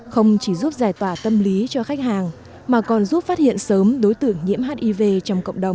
không chỉ giúp giải tỏa tâm lý cho khách hàng mà còn giúp phát hiện sớm đối tượng nhiễm hiv trong cộng đồng